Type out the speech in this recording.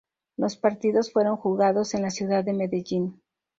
Los partidos fueron jugados en la ciudad de Medellín.